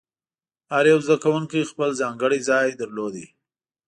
هر یو زده کوونکی خپل ځانګړی ځای درلود.